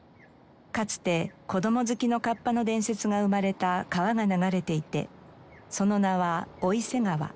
かつて子供好きのカッパの伝説が生まれた川が流れていてその名は笈瀬川。